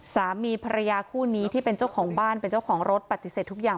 สามีภรรยาคู่นี้ที่เป็นเจ้าของบ้านเป็นเจ้าของรถปฏิเสธทุกอย่าง